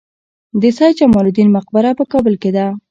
د سید جمال الدین مقبره په کابل کې ده